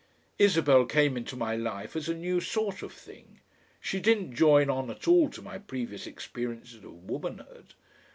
Isabel came into my life as a new sort of thing; she didn't join on at all to my previous experiences of womanhood.